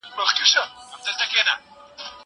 زه مخکي انځورونه رسم کړي وو!!